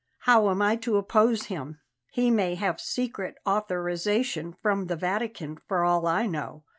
How am I to oppose him? He may have secret authorization from the Vatican, for all I know.